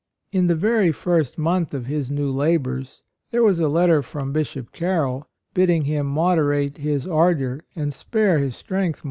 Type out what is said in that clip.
In the very first month of his new labors there was a letter from Bishop Carroll bidding him moderate his ardor and spare his strength AND MOTHER.